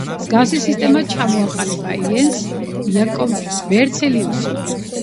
მსგავსი სისტემა ჩამოაყალიბა იენს იაკობ ბერცელიუსმა.